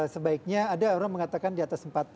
sebaiknya ada orang mengatakan di atas empat puluh